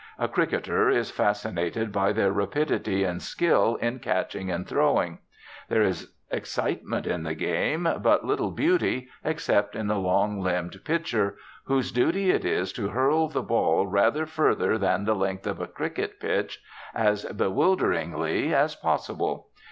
A cricketer is fascinated by their rapidity and skill in catching and throwing. There is excitement in the game, but little beauty except in the long limbed 'pitcher,' whose duty it is to hurl the ball rather further than the length of a cricket pitch, as bewilderingly as possible.